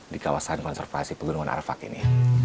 di kawasan konservasi pegunungan arfak ini